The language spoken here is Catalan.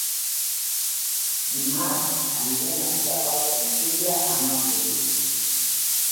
Dimarts anirem a Riba-roja de Túria amb autobús.